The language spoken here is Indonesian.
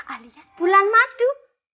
alias bulan madu